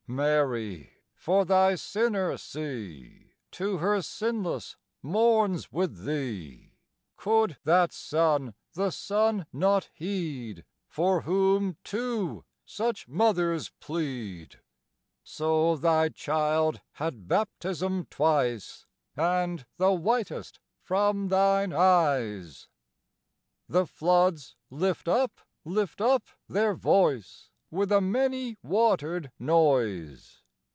Mary, for thy sinner, see, To her Sinless mourns with thee: Could that Son the son not heed, For whom two such mothers plead? So thy child had baptism twice, And the whitest from thine eyes. The floods lift up, lift up their voice, With a many watered noise!